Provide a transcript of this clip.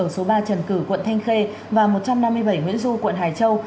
số ba trần cử quận thanh khê và một trăm năm mươi bảy nguyễn du quận hải châu